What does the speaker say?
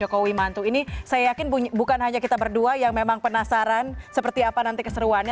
jokowi mantu ini saya yakin bukan hanya kita berdua yang memang penasaran seperti apa nanti keseruannya